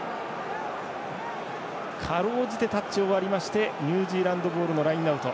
かろうじてタッチを割りましてニュージーランドボールのラインアウト。